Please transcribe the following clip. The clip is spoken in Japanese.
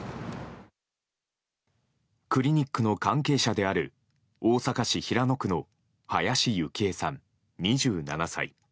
クリニックの関係者である大阪市平野区の林幸恵さん２７歳。